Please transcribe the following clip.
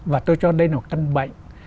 và tôi cho lên một căn bệnh